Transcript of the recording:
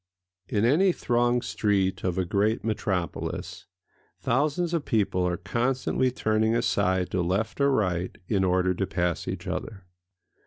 In any thronged street of a great metropolis thousands of people are constantly turning aside to left or right in order to pass each other.